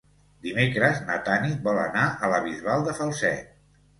Dimecres na Tanit vol anar a la Bisbal de Falset.